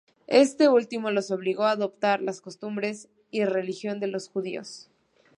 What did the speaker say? Este último los obligó a adoptar las costumbres y religión de los judíos.